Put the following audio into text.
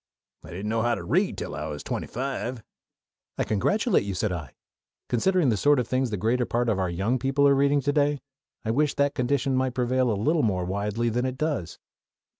I didn't know how to read till I was twenty five." "I congratulate you," said I. "Considering the sort of things the greater part of our young people are reading to day, I wish that condition might prevail a little more widely than it does."